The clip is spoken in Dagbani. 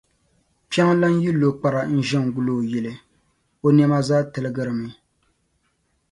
Kpiɔŋlan’ yi lo kpara n-ʒe n-gul’ o yili, o nɛma zaa tiligirimi.